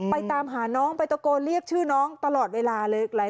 ตามหาน้องไปตะโกนเรียกชื่อน้องตลอดเวลาเลย